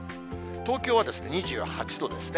東京は２８度ですね。